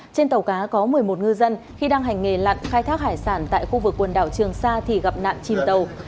trên tàu cá có một mươi một ngư dân khi đang hành nghề lặn khai thác hải sản tại khu vực quần đảo trường sa thì gặp nạn chìm tàu